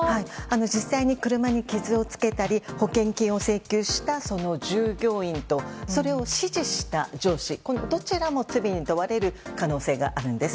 実際に車に傷をつけたり保険金を請求したその従業員とそれを指示した上司このどちらも罪に問われる可能性があるんです。